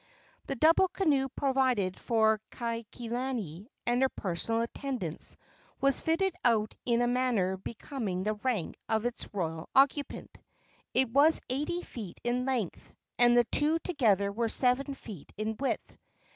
The double canoe provided for Kaikilani and her personal attendants was fitted out in a manner becoming the rank of its royal occupant. It was eighty feet in length, and the two together were seven feet in width.